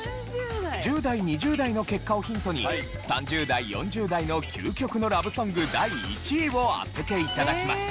１０代２０代の結果をヒントに３０代４０代の究極のラブソング第１位を当てて頂きます。